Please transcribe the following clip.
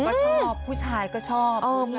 ผู้หญิงก็ชอบผู้ชายก็ชอบ